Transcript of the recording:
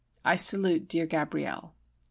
I salute dear Gabrielle.